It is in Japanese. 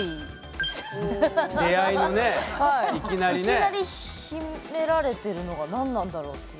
いきなり秘められてるのが何なんだろうっていう。